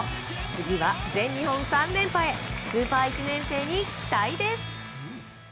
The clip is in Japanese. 次は全日本３連覇へスーパー１年生に期待です。